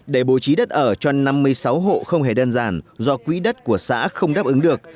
để bố trí đất ở cho năm mươi sáu hộ không hề đơn giản do quỹ đất của xã không đáp ứng được